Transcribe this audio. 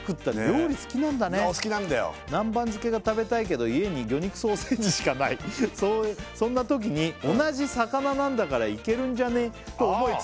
お好きなんだよ「南蛮漬けが食べたいけど家に魚肉ソーセージしかない」「そんなときに同じ魚なんだからいけるんじゃねぇ？と思い」